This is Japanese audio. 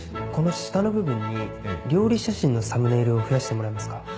この下の部分に料理写真のサムネイルを増やしてもらえますか。